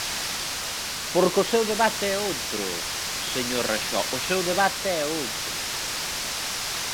Porque o seu debate é outro, señor Raxó, o seu debate é outro.